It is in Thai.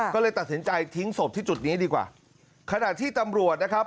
ก็เลยตัดสินใจทิ้งศพที่จุดนี้ดีกว่าขณะที่ตำรวจนะครับ